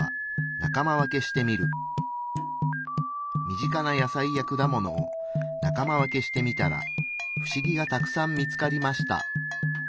身近な野菜や果物を仲間分けしてみたら不思議がたくさん見つかりました。